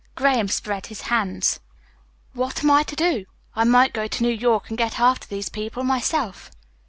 Graham spread his hands. "What am I to do? I might go to New York and get after these people myself."